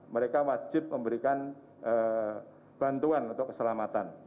mereka wajib memberikan bantuan untuk keselamatan